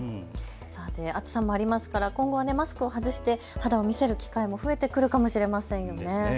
さて暑さもありますから今後マスクを外して肌を見せる機会も増えてくるかもしれませんよね。